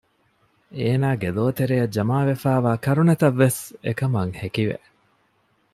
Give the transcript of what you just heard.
އޭނާގެ ލޯތެރެއަށް ޖަމާވެފައިވާ ކަރުނަތައްވެސް އެކަމަށް ހެކިވެ